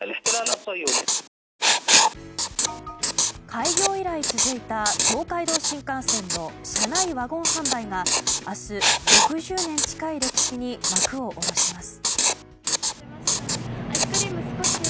開業以来続いた東海道新幹線の車内ワゴン販売が明日、６０年近い歴史に幕を下ろします。